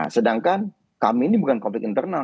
sedangkan kami ini bukan konflik internal